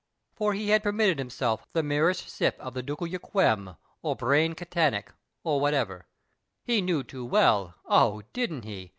For he had permitted himself the merest sip of the ducal Yquem or Brane Cantenac, or whatever — he knew too well, oh, didnH he